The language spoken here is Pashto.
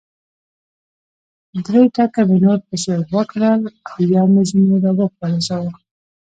درې ټکه مې نور پسې وکړل او یو مې ځنې را و پرځاوه.